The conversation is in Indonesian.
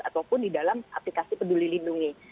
ataupun di dalam aplikasi peduli lindungi